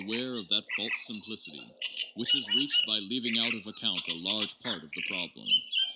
ware of that false simplicity which is reached by leaving out of account a large part of the problem.